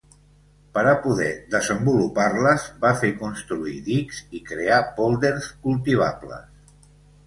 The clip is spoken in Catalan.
Per a poder desenvolupar-les va fer construir dics i crear pòlders cultivables.